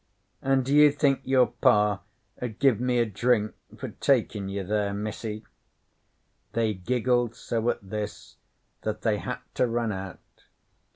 'An' do you think your Pa 'ud give me a drink for takin' you there, Missy?' They giggled so at this that they had to run out.